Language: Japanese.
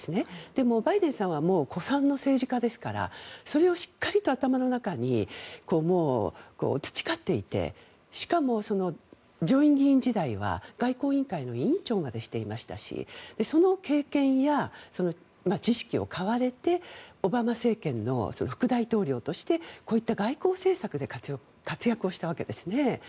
でも、バイデンさんは古参の政治家ですからそれをしっかりと頭の中に培っていてしかも上院議員時代は外交委員会の委員長までしていましたしその経験や知識を買われてオバマ政権の副大統領としてこういった外交政策で活躍をしたわけですね。